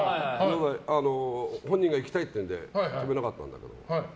本人が行きたいって言うので止めなかったんだけど。